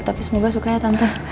tapi semoga sukanya tante